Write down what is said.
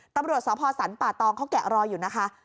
ตำรวจสพสรรป่าตองเขาแกะรอยอยู่นะคะ